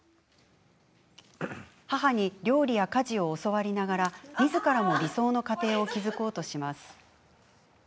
母に料理や家事を教わりながらみずからも理想の家庭を築こうとします。